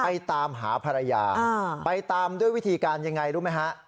ไปตามหาภรรยาไปตามด้วยวิธีการยังไงรู้ไหมฮะ